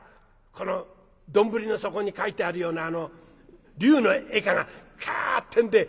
この丼の底に描いてあるような竜の絵がかってんで」。